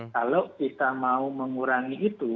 kalau kita mau mengurangi itu